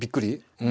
うん。